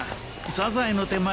サザエの手前